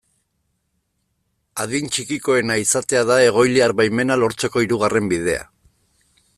Adin txikikoena izatea da egoiliar baimena lortzeko hirugarren bidea.